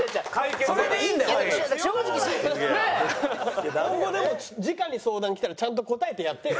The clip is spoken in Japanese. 今後でもじかに相談来たらちゃんと答えてやってよ？